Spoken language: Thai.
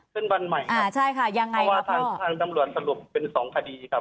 ขึ้นวันใหม่ครับอ่าใช่ค่ะยังไงครับพ่อเพราะว่าทางทำรวจสรุปเป็นสองคดีครับ